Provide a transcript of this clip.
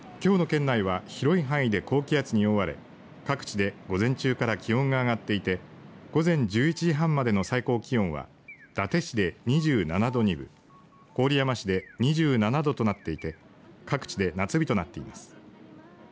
きょうの県内は広い範囲で高気圧に覆われ各地で午前中から気温が上がっていて午前１１時半までの最高気温は伊達市で２７度２分、郡山市で２７度となっていて各地で夏日となっています。